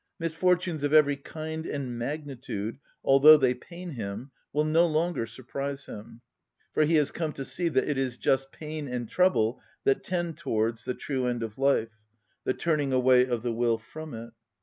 Misfortunes of every kind and magnitude, although they pain him, will no longer surprise him, for he has come to see that it is just pain and trouble that tend towards the true end of life, the turning away of the will from it.